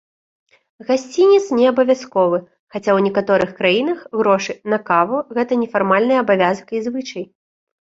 Гасцінец неабавязковы, хаця ў некаторых краінах грошы 'на каву' гэта нефармальны абавязак і звычай.